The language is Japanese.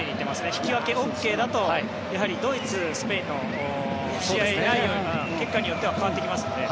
引き分けがＯＫだとドイツ、スペインの試合結果によっては変わってきますので。